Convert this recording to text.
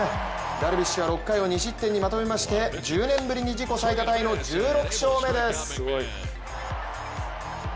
ダルビッシュは６回を２失点にまとめまして１０年ぶりに自己最多タイの１６勝目です。